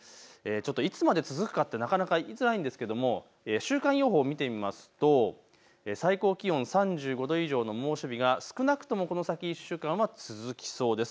いつまで続くか言いづらいんですが週間予報を見てみますと最高気温３５度以上の猛暑日が少なくともこの先１週間は続きそうです。